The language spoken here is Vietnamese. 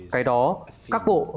cái đó các bộ